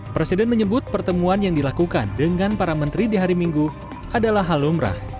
presiden menyebut pertemuan yang dilakukan dengan para menteri di hari minggu adalah hal lumrah